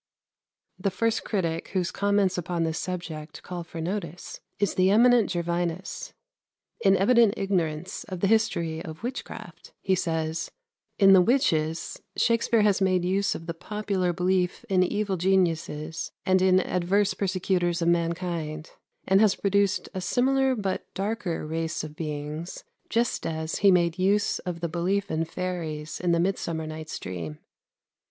84. The first critic whose comments upon this subject call for notice is the eminent Gervinus. In evident ignorance of the history of witchcraft, he says, "In the witches Shakspere has made use of the popular belief in evil geniuses and in adverse persecutors of mankind, and has produced a similar but darker race of beings, just as he made use of the belief in fairies in the 'Midsummer Night's Dream.'